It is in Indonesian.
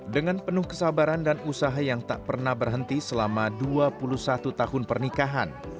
dengan penuh kesabaran dan usaha yang tak pernah berhenti selama dua puluh satu tahun pernikahan